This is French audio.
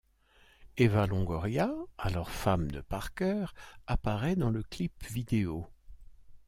Eva Longoria, alors femme de Parker, apparaît dans le clip vidéo.